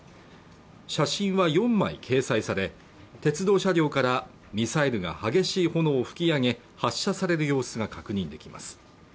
写真は４枚掲載され鉄道車両からミサイルが激しい炎を噴き上げ発射される様子が確認できます